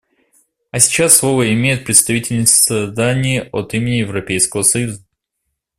А сейчас слово имеет представительница Дании от имени Европейского союза.